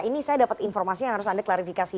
ini saya dapat informasi yang harus anda klarifikasi